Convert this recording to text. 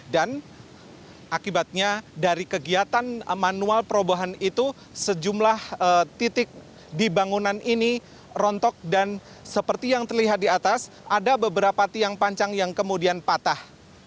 dan akibatnya dari kegiatan manual perobohan itu sejumlah titik di bangunan ini rontok dan seperti yang terlihat di atas ada beberapa tiang panjang yang kemudian patah